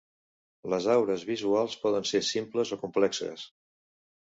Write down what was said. Les aures visuals poden ser simples o complexes.